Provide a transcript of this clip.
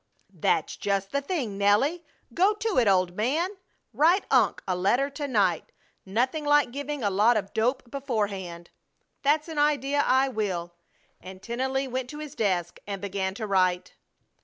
"That's just the thing, Nelly. Go to it, old man! Write unc. a letter to night. Nothing like giving a lot of dope beforehand." "That's an idea! I will!" and Tennelly went to his desk and began to write.